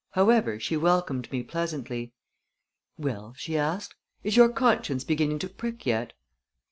However, she welcomed me pleasantly. "Well," she asked, "is your conscience beginning to prick yet?"